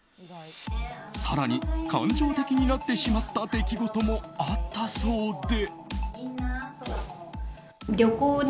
更に、感情的になってしまった出来事もあったそうで。